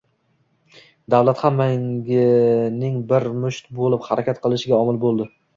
davlat – hammaning bir musht bo‘lib harakat qilishiga omil bo‘ldi